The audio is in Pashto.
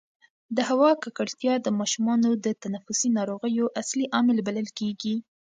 د هوا ککړتیا د ماشومانو د تنفسي ناروغیو اصلي عامل بلل کېږي.